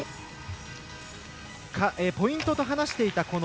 ポイントと話していた